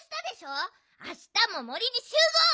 あしたももりにしゅうごう！